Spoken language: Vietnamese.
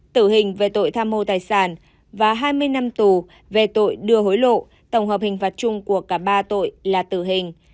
tử hình về tội tham mô tài sản và hai mươi năm tù về tội đưa hối lộ tổng hợp hình phạt chung của cả ba tội là tử hình